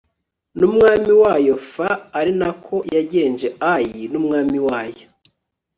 n umwami wayo f ari na ko yagenje Ayi n umwami wayo